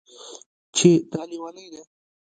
چې دا لېونۍ ده